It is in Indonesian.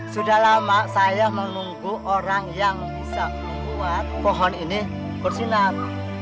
sudah lama saya menunggu orang yang bisa membuat pohon ini bersinar